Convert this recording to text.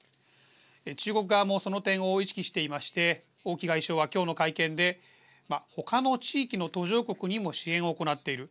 中国側もその点を意識していまして王毅外相は、きょうの会見でほかの地域の途上国にも支援を行っている。